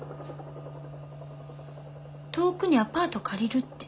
遠くにアパート借りるって。